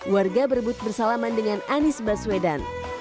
warga berebut bersalaman dengan anies baswedan